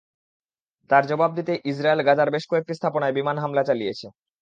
তার জবাব দিতেই ইসরায়েল গাজার বেশ কয়েকটি স্থাপনায় বিমান হামলা চালিয়েছে।